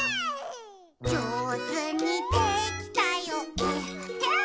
「じょうずにできたよえっへん」